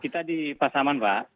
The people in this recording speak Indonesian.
kita di pasaman pak